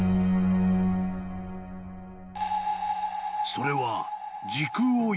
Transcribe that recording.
［それは］